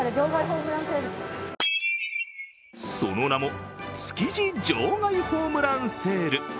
その名も築地場外ホームランセール。